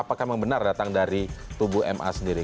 apakah memang benar datang dari tubuh ma sendiri